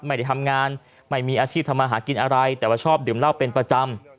ไม่ได้ทำงานไม่มีอาชีพทำมาหากินอะไรแต่ว่าชอบดื่มเหล้าเป็นประจำ